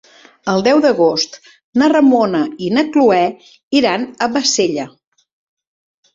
El deu d'agost na Ramona i na Cloè iran a Bassella.